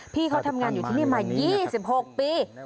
พี่เขาทำงานอยู่ที่นี่มา๒๖ปี